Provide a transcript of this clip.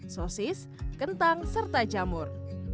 sosis kentang serta jamur